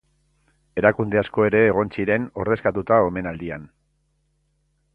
Erakunde asko ere egon ziren ordezkatuta omenaldian.